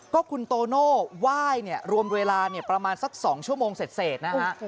ก็คุณโตโน่ไหว้เนี่ยรวมเวลาประมาณสัก๒ชั่วโมงเสร็จนะฮะ